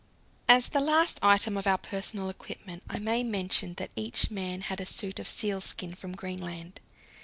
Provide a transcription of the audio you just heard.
As the last item of our personal equipment I may mention that each man had a suit of sealskin from Greenland.